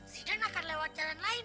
si dan akan lewat jalan lain